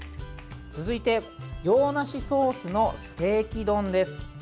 続いて洋梨ソースのステーキ丼です。